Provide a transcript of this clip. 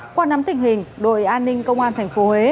qua nắm tình hình đội an ninh công an tp huế